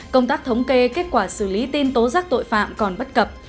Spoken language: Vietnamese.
công tác thống kê kết quả xử lý tin tố giác tội phạm còn bất cập